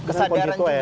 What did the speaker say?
kesadaran juga ya